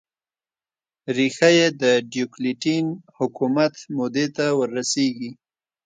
ریښه یې د ډیوکلتین حکومت مودې ته ور رسېږي.